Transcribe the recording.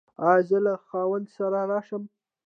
ایا زه له خاوند سره راشم؟